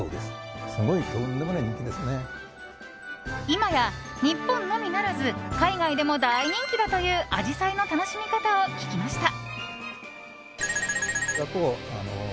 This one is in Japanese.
今や日本のみならず海外でも大人気だというアジサイの楽しみ方を聞きました。